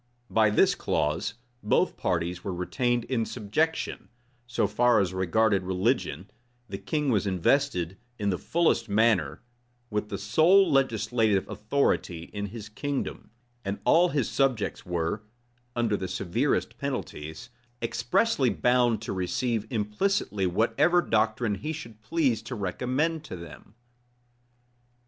By this clause, both parties were retained in subjection: so far as regarded religion, the king was invested, in the fullest manner, with the sole legislative authority in his kingdom; and all his subjects were, under the severest penalties, expressly bound to receive implicitly whatever doctrine he should please to recommend to them.